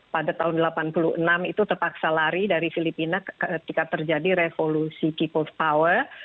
pada tahun seribu sembilan ratus delapan puluh enam itu terpaksa lari dari filipina ketika terjadi revolusi people power